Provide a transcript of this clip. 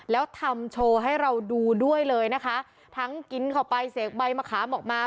แล้วทำโชว์ให้เราดูด้วยเลยนะคะทั้งกินเข้าไปเสกใบมะขามออกมา